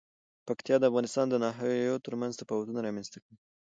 پکتیا د افغانستان د ناحیو ترمنځ تفاوتونه رامنځ ته کوي.